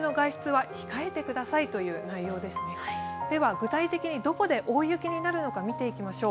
具体的にどこで大雪になるのか見ていきましょう。